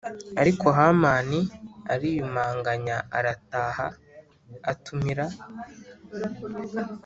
Ariko hamani ariyumanganya arataha atumira